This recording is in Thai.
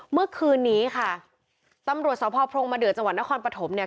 เมื่อคืนนี้ค่ะตำรวจสพพรงมะเดือจังหวัดนครปฐมเนี่ย